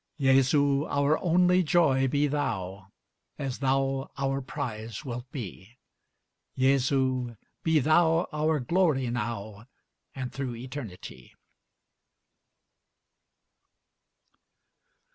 Jesu! our only joy be thou, As thou our prize wilt be! Jesu! be thou our glory now And through eternity!